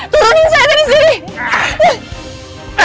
tungguin saya dari sini